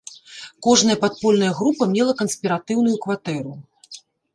Кожная падпольная група мела канспіратыўную кватэру.